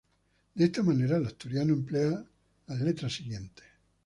De esta manera, el asturiano emplea las letras siguientes.